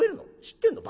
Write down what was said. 知ってんの？